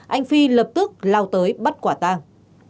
anh phi lập tức lao tới bắt quả tàng